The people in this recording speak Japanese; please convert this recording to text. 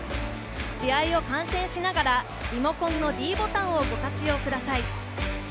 試合を観戦しながらリモコンのｄボタンをご活用ください。